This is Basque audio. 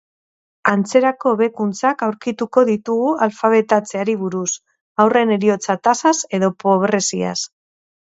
Antzerako hobekuntzak aurkituko ditugu alfabetatzeari buruz, haurren heriotza tasaz edo pobreziaz.